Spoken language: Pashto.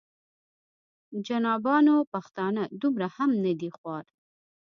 جنابانو پښتانه دومره هم نه دي خوار.